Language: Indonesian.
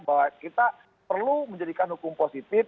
bahwa kita perlu menjadikan hukum positif